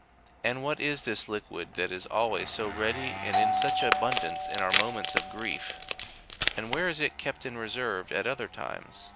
And what is this liquid that is always so ready and in such abundance in our moments of grief, and where is it kept in reserve at other times